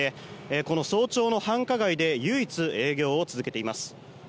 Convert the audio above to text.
この早朝の繁華街で唯一、営業を続けています。